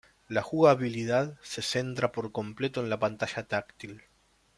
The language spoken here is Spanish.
La jugabilidad se centra por completo en la Pantalla Táctil.